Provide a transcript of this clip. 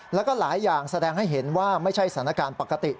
แล้วก็หลายอย่างแสดงให้เห็นว่าไม่ใช่สถานการณ์ปกติ